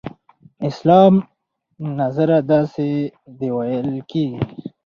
اسلام نظر داسې دی ویل کېږي.